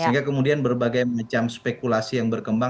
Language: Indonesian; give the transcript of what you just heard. sehingga kemudian berbagai macam spekulasi yang berkembang